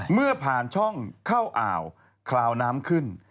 เมื่อผ่านช่องเข้าอ่าวคราวน้ำขึ้น